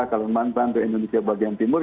kalimantan indonesia bagian timur